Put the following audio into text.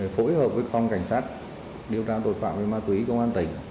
phối hợp với phòng cảnh sát điều tra tội phạm ma túy của quân tỉnh